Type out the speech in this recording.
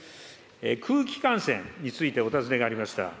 空気感染についてお尋ねがありました。